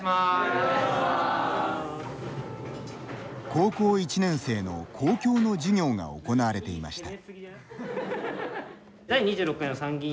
高校１年生の公共の授業が行われていました。